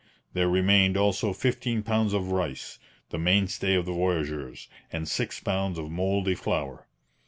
There remained also fifteen pounds of rice the mainstay of the voyageurs and six pounds of mouldy flour.